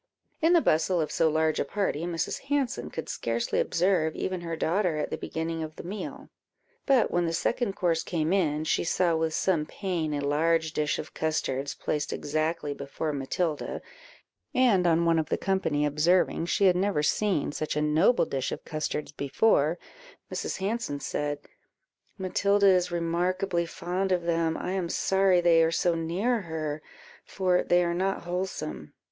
In the bustle of so large a party, Mrs. Hanson could scarcely observe even her daughter at the beginning of the meal; but when the second course came in, she saw with some pain a large dish of custards placed exactly before Matilda; and on one of the company observing she had never seen such a noble dish of custards before, Mrs. Hanson said "Matilda is remarkably fond of them; I am sorry they are so near her, for they are not wholesome."